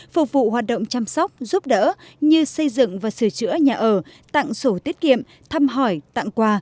phục vụ hoạt động chăm sóc giúp đỡ như xây dựng và sửa chữa nhà ở tặng sổ tiết kiệm thăm hỏi tặng quà